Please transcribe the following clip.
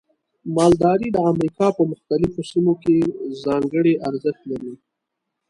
مالداري د امریکا په مختلفو سیمو کې ځانګړي ارزښت لري.